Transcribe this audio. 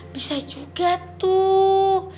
bisa juga tuh